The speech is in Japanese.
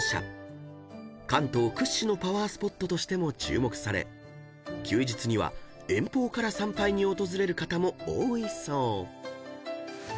［関東屈指のパワースポットとしても注目され休日には遠方から参拝に訪れる方も多いそう］